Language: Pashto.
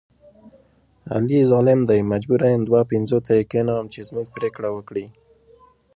علي ظالم دی مجبوره یم دوه پنځوته یې کېنوم چې زموږ پرېکړه وکړي.